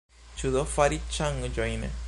Ĉu do fari ŝanĝojn?